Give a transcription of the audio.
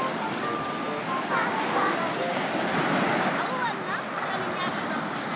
かおはなんのためにあるのか？